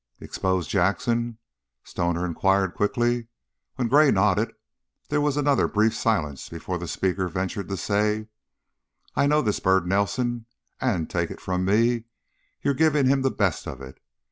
"Expose Jackson?" Stoner inquired, quickly. When Gray nodded, there was another brief silence before the speaker ventured to say: "I know this bird Nelson, and, take it from me, you're giving him the best of it.